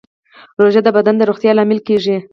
روژه د بدن د روغتیا لامل کېږي.